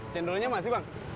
cendolnya masih bang